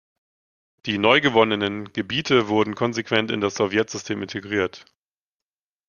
Die „neugewonnenen“ Gebiete wurden konsequent in das Sowjetsystem integriert.